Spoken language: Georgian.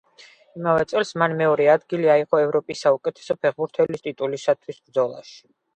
იმავე წელს მან მეორე ადგილი აიღო ევროპის საუკეთესო ფეხბურთელის ტიტულისთვის ბრძოლაში.